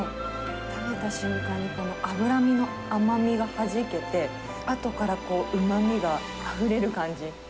食べた瞬間に、この脂身の甘みがはじけて、あとからうまみがあふれる感じ。